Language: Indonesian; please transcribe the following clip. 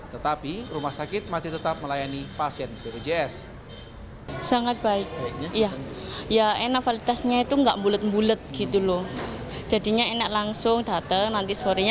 tetapi rumah sakit masih tetap melayani pasangan